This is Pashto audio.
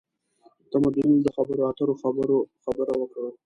د تمدنونو د خبرواترو خبره وکړو.